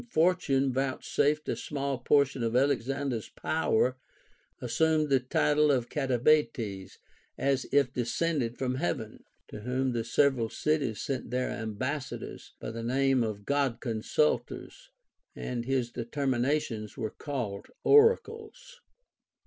501 Fortune vouchsafed a small portion of Alexander's power, assumed the title of Kataibates (as if descended from heaven), to whom the several cities sent their ambassadors, by the name of God consulters, and his determinations were called oracles.